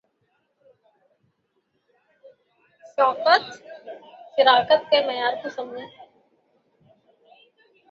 کے لئے خرابیٔ موسم ہے۔